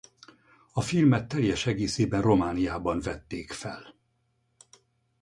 A filmet teljes egészében Romániában vették fel.